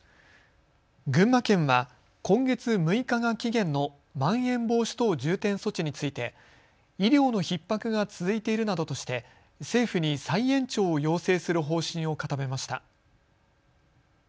群馬県は今月６日が期限のまん延防止等重点措置について医療のひっ迫が続いているなどとして政府に再延長を要請する方針を固めました。